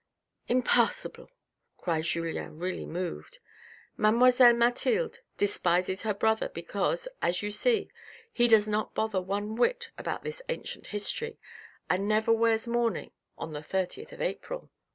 " Impossible? " cried Julien really moved. " Mademoiselle Mathilde despises her brother because, as you see, he does not bother one whit about this ancient history, and never wears mourning on the thirtieth of April.